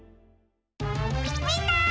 みんな！